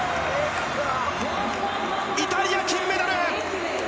イタリア、金メダル！